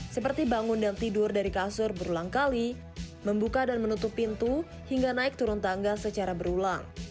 seperti bangun dan tidur dari kasur berulang kali membuka dan menutup pintu hingga naik turun tangga secara berulang